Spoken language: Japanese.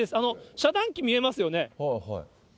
遮断機見えますよね？